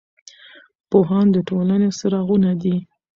پوهان د ټولنې څراغونه دي.